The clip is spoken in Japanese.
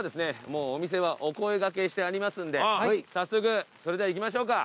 もうお店はお声掛けしてありますんで早速それでは行きましょうか。